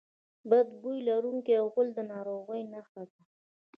بد بوی لرونکی غول د ناروغۍ نښه ده.